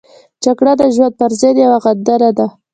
جګړه د ژوند پرضد یوه توغنده ده